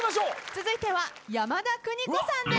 続いては山田邦子さんです。